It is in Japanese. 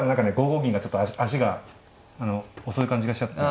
５五銀がちょっと足が遅い感じがしちゃって。